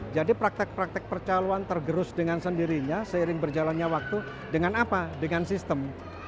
jadi praktek praktek percaluan tergerus dengan sendirinya seiring berjalannya waktu dengan apa dengan sistem